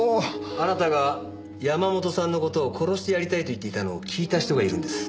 あなたが山本さんの事を殺してやりたいと言っていたのを聞いた人がいるんです。